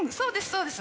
そうです。